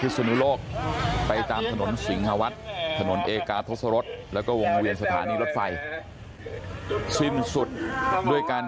ก็จะเป็นภัยบัตรภัณฑ์ปริการเศรษฐโลกภาษณ์